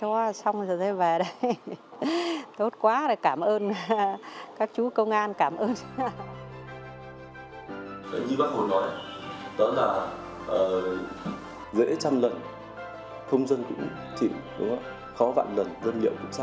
hoặc là khi mà muốn sở hữu bà con